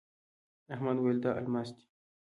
احمد وويل: دا الماس دی.